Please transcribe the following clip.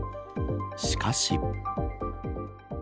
しかし。